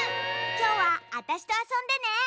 きょうはあたしとあそんでね！